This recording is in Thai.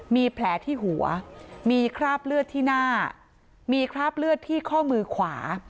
มีแผลที่หัวมีคราบเลือดที่หน้ามีคราบเลือดที่ข้อมือขวา